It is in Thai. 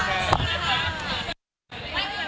ตอนนี้พอทำมาแล้วงานเดินแบบสายชาติมันเยอะมากมั้ยคะ